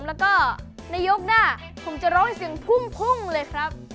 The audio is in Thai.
แล้วก็ในยกหน้าผมจะร้องเสียงพุ่งเลยครับ